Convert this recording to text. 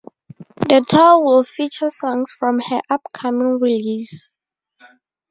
The tour will feature songs from her upcoming release.